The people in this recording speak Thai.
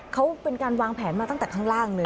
เขาเป็นการวางแผนมาตั้งแต่ข้างล่างเลย